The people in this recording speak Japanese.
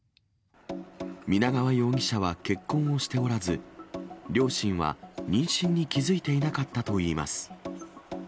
皆川容疑者は結婚をしておらず、両親は妊娠に気付いていなかったといいます。